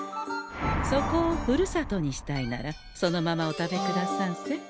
そこをふるさとにしたいならそのままお食べくださんせ。